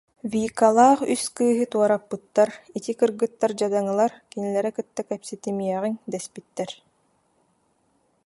Викалаах үс кыыһы туораппыттар, ити кыргыттар дьадаҥылар, кинилэри кытта кэпсэтимиэҕиҥ дэспиттэр